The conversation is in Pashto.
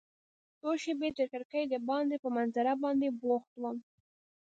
څو شیبې تر کړکۍ دباندې په منظره باندې بوخت وم.